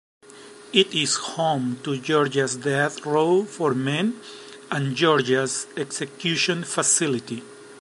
It is home to Georgia's death row for men and Georgia's execution facility.